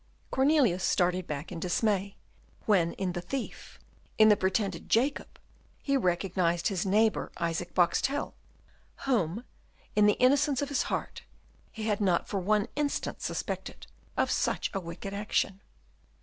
Cornelius started back in dismay, when in the thief, in the pretended Jacob, he recognised his neighbour, Isaac Boxtel, whom, in the innocence of his heart, he had not for one instant suspected of such a wicked action.